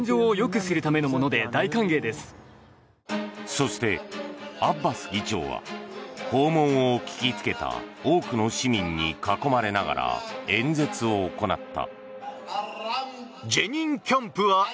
そして、アッバス議長は訪問を聞きつけた多くの市民に囲まれながら演説を行った。